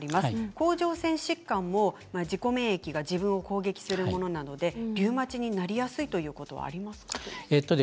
甲状腺疾患も自己免疫が自分を攻撃するものなのでリウマチになりやすいということはありますか。